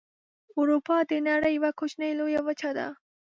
اروپا د نړۍ یوه کوچنۍ لویه وچه ده.